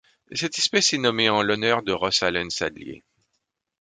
Cette espèce est nommée en l'honneur de Ross Allen Sadlier.